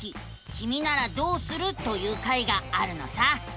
キミならどうする？」という回があるのさ。